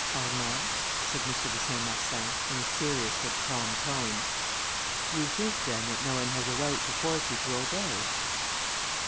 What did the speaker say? "Armand," said M. de Saint Marsin, in a serious but calm tone, "you think, then, that no one has a right to force you to obey?"